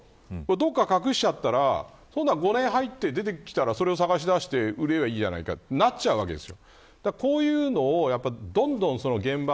どこかに隠しちゃったら今度は５年入って出てきたらそれを探し出して売ればいいじゃないかとなっちゃうわけです。